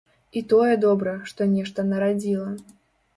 І тое добра, што нешта нарадзіла.